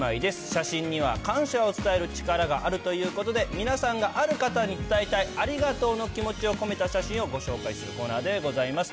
写真には感謝を伝える力があるということで、皆さんがある方に伝えたい、ありがとうの気持ちを込めた写真をご紹介するコーナーでございます。